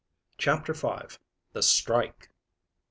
CHAPTER V. THE STRIKE.